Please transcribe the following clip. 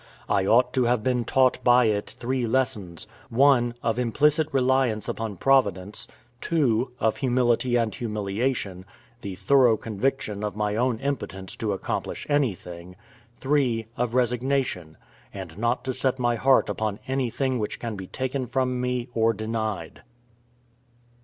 I ought to have been taught by it three lessons: 1. Of implicit reliance upon Providence. 2. Of humility and humiliation; the thorough conviction of my own impotence to accomplish anything. 3. Of resignation; and not to set my heart upon anything which can be taken from me or denied.